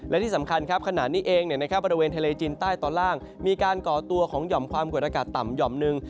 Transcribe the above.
และที่สำคัญครับขณะนี้เองบริเวณทะเลจีนใต้ตอนล่างมีการก่อตัวของหย่อมความกดอากาศต่ำหย่อมหนึ่ง